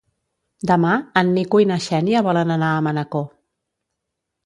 Demà en Nico i na Xènia volen anar a Manacor.